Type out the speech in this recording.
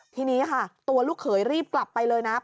ทีนี้ค่ะตัวลูกเขยรีบกลับไปเลยนะ